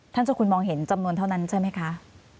เจ้าคุณมองเห็นจำนวนเท่านั้นใช่ไหมคะ